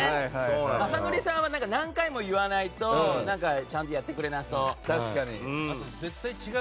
雅紀さんは何回も言わないとちゃんとやってくれなそう。